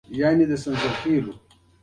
عوض خان کاکا ته مې وویل.